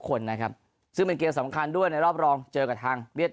คนนะครับซึ่งเป็นเกมสำคัญด้วยในรอบรองเจอกับทางเวียด